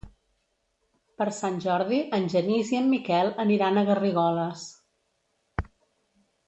Per Sant Jordi en Genís i en Miquel aniran a Garrigoles.